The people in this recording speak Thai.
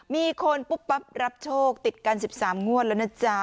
มีคนปุ๊บปั๊บรับโชคติดกัน๑๓งวดแล้วนะจ๊ะ